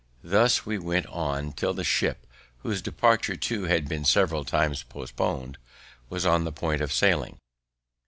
Thus he went on till the ship, whose departure too had been several times postponed, was on the point of sailing.